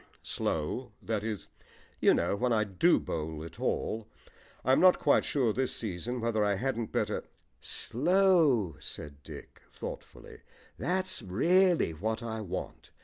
"Slow that is, you know, when I do bowl at all. I'm not quite sure this season whether I hadn't better " "Slow," said Dick thoughtfully; "that's really what I want.